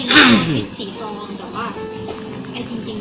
เราก็ต้องไปหาข้อมูล